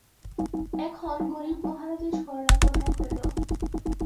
এখন গরীব, মহারাজের শরণাপন্ন হইল।